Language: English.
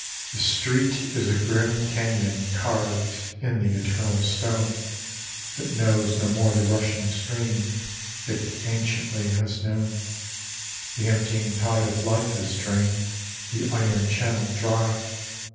The street is a grim cañon carved In the eternal stone, That knows no more the rushing stream It anciently has known. The emptying tide of life has drained The iron channel dry.